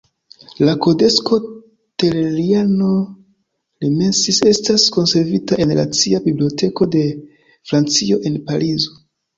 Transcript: La Kodekso Telleriano-Remensis estas konservita en la Nacia Biblioteko de Francio en Parizo.